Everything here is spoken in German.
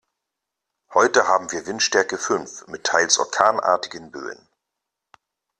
Heute haben wir Windstärke fünf mit teils orkanartigen Böen.